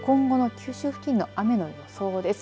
今後の九州付近の雨の予想です。